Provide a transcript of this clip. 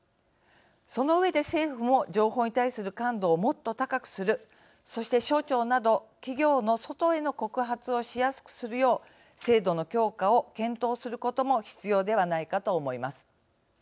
その上で政府も情報に対する感度をもっと高くするそして省庁など、企業の外への告発をしやすくするよう制度の強化を検討することも必要ではないかと思います。